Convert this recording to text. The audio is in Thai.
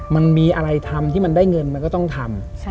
มันมีอะไรทำที่มันได้เงินมันก็ต้องทำ